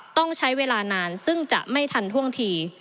ต้องใช้เวลานานซึ่งจะไม่ทันท่วงที